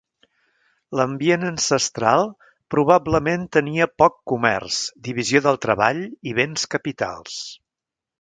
L"ambient ancestral probablement tenia poc comerç, divisió del treball i béns capitals.